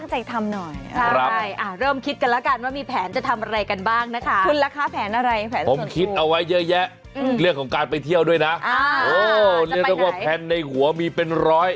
เรียกได้ว่าแผ่นในหัวมีเป็นร้อย